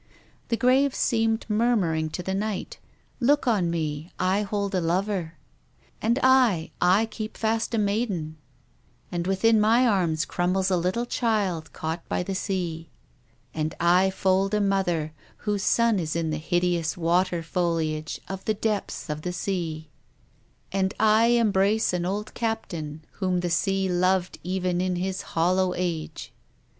The graves seemed murmuring to the night :" Look on me, I hold a lover;" " And I — I keep fast a maiden ;"" And within my arms crumbles a little child caught by the sea ;"" And I fold a mother, whose son is in the hideous water foliage of the depths of the sea ;"" And I embrace an old captain whom 6 TONGUES OF CONSCIKNCE. the sea loved even in his hollow age."